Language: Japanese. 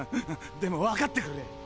でもわかってくれ。